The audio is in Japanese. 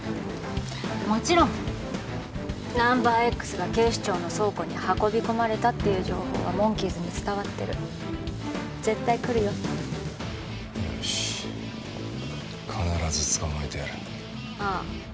もちろん「ナンバーＸ」が警視庁の倉庫に運び込まれたっていう情報はモンキーズに伝わってる絶対来るよよし必ず捕まえてやるああ